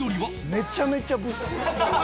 めちゃめちゃブスやん。